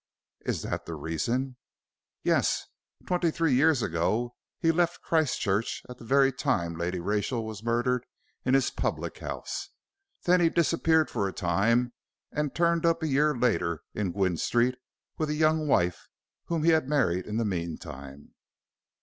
"Is that the reason?" "Yes. Twenty three years ago he left Christchurch at the very time Lady Rachel was murdered in his public house. Then he disappeared for a time, and turned up a year later in Gwynne Street with a young wife whom he had married in the meantime."